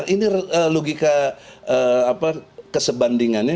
ini logika kesebandingannya